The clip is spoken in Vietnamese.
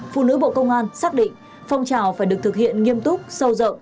phụ nữ bộ công an xác định phong trào phải được thực hiện nghiêm túc sâu rộng